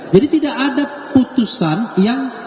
jadi tidak ada putusan yang